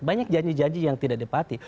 banyak janji janji yang tidak depati